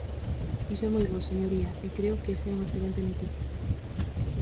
Iso é moi bo, señoría, e creo que esa é unha excelente noticia.